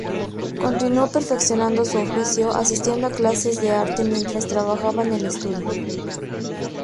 Continuó perfeccionando su oficio, asistiendo a clases de arte mientras trabajaba en el estudio.